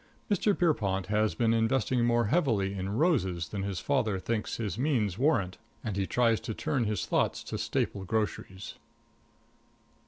Mr. Pierrepont || has been investing more || heavily in roses than his || father thinks his means || warrant, and he tries to || turn his thoughts to || staple groceries.